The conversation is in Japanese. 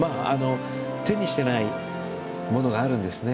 手にしてないものがあるんですね